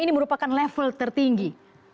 ini merupakan level tertinggi